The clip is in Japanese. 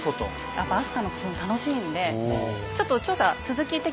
やっぱ飛鳥の古墳楽しいんでちょっと調査続き行ってきます。